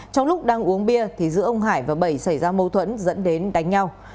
trong lúc đang uống bia giữa ông hải và bẩy xảy ra mâu thuẫn dẫn đến đánh nhau